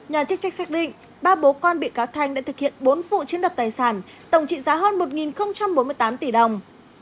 nhà chức trách xác định ba bố con bị cáo thanh đã thực hiện bốn vụ chiếm đoạt tài sản tổng trị giá hơn một bốn mươi tám tỷ đồng